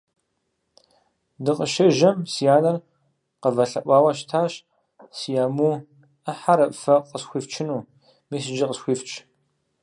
Дыкъыщежьэм си анэр къывэлъэӀуауэ щытащ си аму Ӏыхьэр фэ къысхуифчыну. Мис иджы къысхуифч.